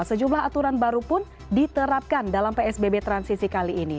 sejumlah aturan baru pun diterapkan dalam psbb transisi kali ini